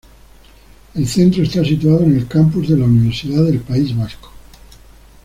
El centro está situado en el campus de la Universidad del País Vasco.